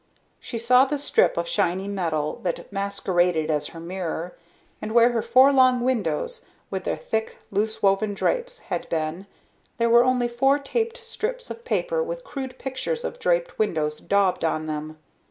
She saw the strip of shiny metal that masqueraded as her mirror, and where her four long windows, with their thick, loose woven drapes, had been there were only four taped strips of paper with crude pictures of draped windows daubed on them.